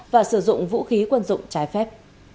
và sử dụng vũ khí quân dụng trái phép